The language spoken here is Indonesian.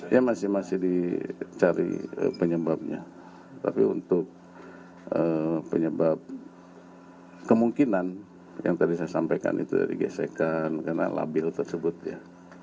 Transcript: ya masih masih dicari penyebabnya tapi untuk penyebab kemungkinan yang tadi saya sampaikan itu dari gesekan karena labil tersebut ya